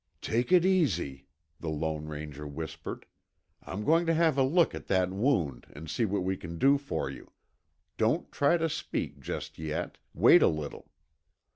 "Take it easy," the Lone Ranger whispered. "I'm going to have a look at that wound and see what we can do for you. Don't try to speak just yet wait a little."